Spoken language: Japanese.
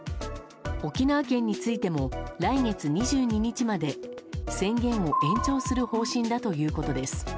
沖縄県についても来月２２日まで宣言を延長する方針だということです。